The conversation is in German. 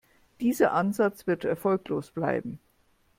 Dieser Ansatz wird erfolglos bleiben.